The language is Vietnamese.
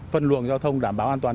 phân luận giao thông đảm bảo an toàn